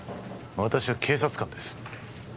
私は警察官です